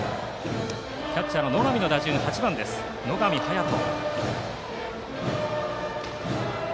キャッチャーの野上の打順８番、野上隼人。